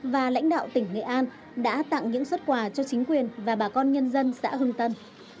và lãnh đạo tỉnh nghệ an đã tặng những xuất quà cho chính quyền và bà con nhân dân xã hưng tân